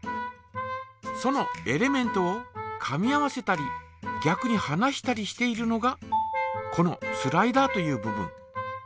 そのエレメントをかみ合わせたりぎゃくにはなしたりしているのがこのスライダーという部分。